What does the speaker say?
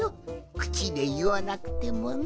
くちでいわなくてもな。